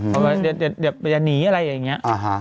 เขาก็อยากหนีอะไรอย่างนี้